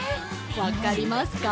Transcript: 分かりますか？